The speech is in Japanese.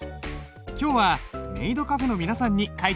今日はメイドカフェの皆さんに書いてもらったぞ。